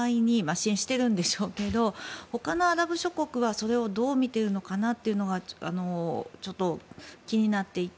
支援してるんでしょうけど他のアラブ諸国はそれをどう見ているのかなというのがちょっと、気になっていて。